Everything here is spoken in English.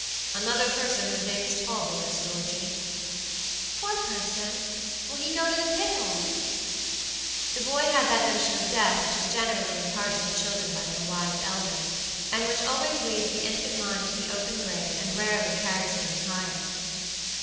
"Another person whose name is Talboys, Georgey." "Poor person! Will he go to the pit hole?" The boy had that notion of death which is generally imparted to children by their wise elders, and which always leads the infant mind to the open grave and rarely carries it any higher.